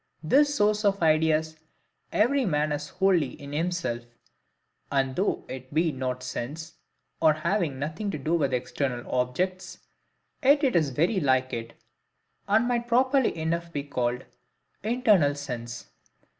This source of ideas every man has wholly in himself; and though it be not sense, as having nothing to do with external objects, yet it is very like it, and might properly enough be called INTERNAL SENSE.